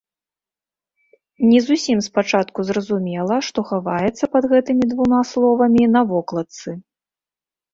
Не зусім спачатку зразумела, што хаваецца пад гэтымі двума словамі на вокладцы.